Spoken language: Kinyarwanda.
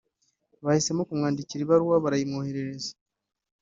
Bahisemo kumwandikira ibaruwa barayimwoherereza